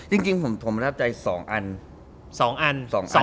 จริงผมประทับใจ๒อัน